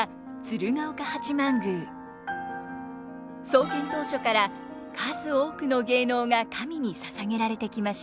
創建当初から数多くの芸能が神に捧げられてきました。